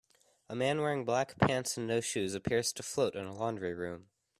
A man wearing black pants and no shoes appears to float in a laundry room.